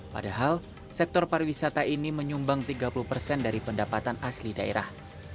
padahal sektor pariwisata ini menyumbang tiga puluh persen dari pendapatan asli daerah